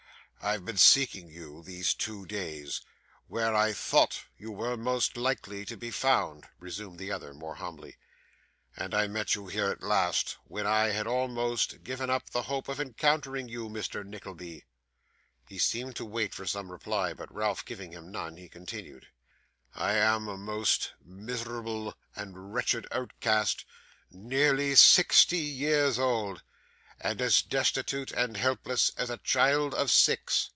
'I have been seeking you these two days, where I thought you were most likely to be found,' resumed the other more humbly, 'and I met you here at last, when I had almost given up the hope of encountering you, Mr Nickleby.' He seemed to wait for some reply, but Ralph giving him none, he continued: 'I am a most miserable and wretched outcast, nearly sixty years old, and as destitute and helpless as a child of six.